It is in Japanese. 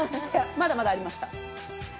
まだまだありました。